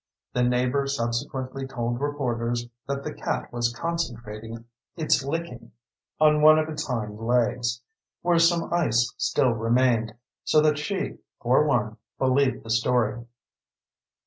The neighbor subsequently told reporters that the cat was concentrating its licking on one of its hind legs, where some ice still remained, so that she, for one, believed the story.